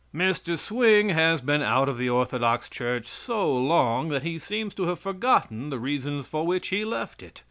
"Mr. Swing has been out of the orthodox church so long that he seems to have forgotten the reasons for which he left it.